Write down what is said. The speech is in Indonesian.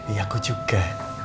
ya aku juga